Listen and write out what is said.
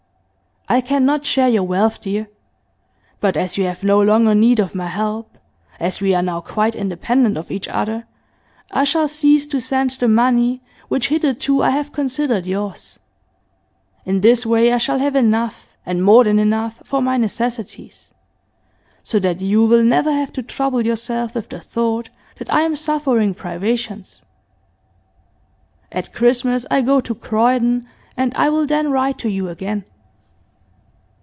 'I cannot share your wealth, dear. But as you have no longer need of my help as we are now quite independent of each other I shall cease to send the money which hitherto I have considered yours. In this way I shall have enough, and more than enough, for my necessities, so that you will never have to trouble yourself with the thought that I am suffering privations. At Christmas I go to Croydon, and I will then write to you again.